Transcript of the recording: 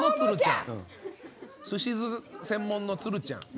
すし酢専門の都留ちゃん。